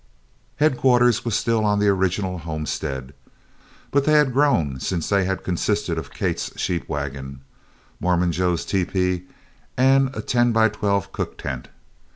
"Headquarters" were still on the original homestead, but they had grown since they had consisted of Kate's sheep wagon, Mormon Joe's tepee and a ten by twelve cook tent.